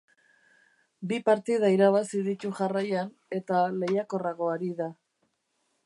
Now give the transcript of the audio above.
Bi partida irabazi ditu jarraian, eta lehiakorrago ari da.